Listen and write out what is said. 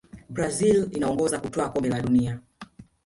brazil inaongoza kutwaa kombe la dunia